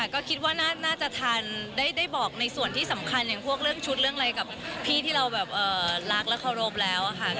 ก็คิดว่าน่าจะทันได้บอกในส่วนที่สำคัญอย่างพวกเรื่องชุดเรื่องอะไรกับพี่ที่เราแบบรักและเคารพแล้วค่ะ